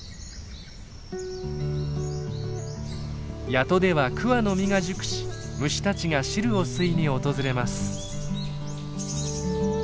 谷戸では桑の実が熟し虫たちが汁を吸いに訪れます。